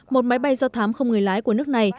một máy bay do thám không người lái của nước này